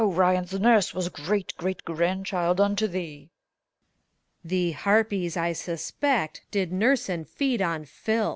Orion's nurse was great great grandchild unto thee! PHORKYAS. Thee harpies, I suspect, did nurse and feed on filth.